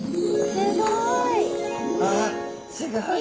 すごい。